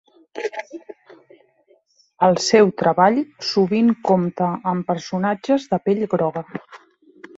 El seu treball sovint compta amb personatges de pell groga.